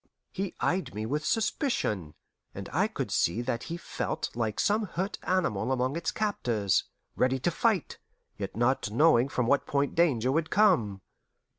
He eyed me with suspicion, and I could see that he felt like some hurt animal among its captors, ready to fight, yet not knowing from what point danger would come.